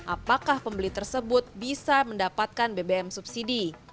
apakah pembeli tersebut bisa mendapatkan bbm subsidi